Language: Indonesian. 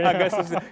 nggak nggak susah